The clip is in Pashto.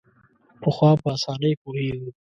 پخوا په اسانۍ پوهېږو.